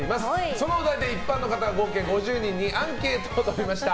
そのお題で一般の方合計５０人にアンケートをとりました。